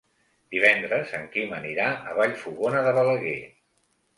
Divendres en Quim anirà a Vallfogona de Balaguer.